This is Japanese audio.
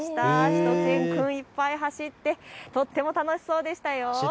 しゅと犬くん、いっぱい走ってとっても楽しそうでしたよ。